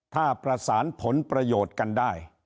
ถ้าประสานผลประโยชน์กันได้